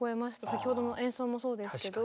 先ほどの演奏もそうでしたけど。